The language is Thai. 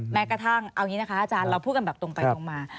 แม้กระทั่งเอาอย่างนี้นะคะอาจารย์เราพูดกันแบบตรงไปตรงมา